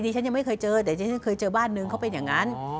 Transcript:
อุ้ยนี่ฉันยังไม่เคยเจอแต่ให้คือเคยเจอบ้านหนึ่งเขาเป็นอย่างนั้น